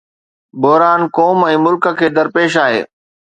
بحران قوم ۽ ملڪ کي درپيش آهي.